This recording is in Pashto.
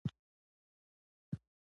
غوا د څښاک لپاره پاکې اوبه خوښوي.